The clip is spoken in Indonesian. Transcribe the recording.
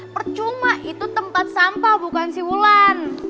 percuma itu tempat sampah bukan si wulan